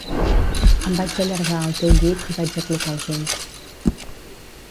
Em vaig allargar al teu llit i vaig aclucar els ulls.